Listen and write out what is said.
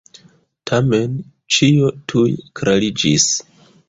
Tamen, ĉio tuj klariĝis.